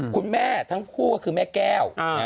คุณแม่ทั้งคู่ก็คือแม่แก้ว